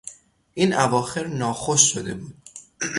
این اواخر ناخوش شده بود.